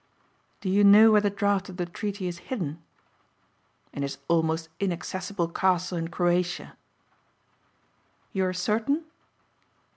"Do you know where the draft of the treaty is hidden?" "In his almost inaccessible castle in Croatia." "You are certain?"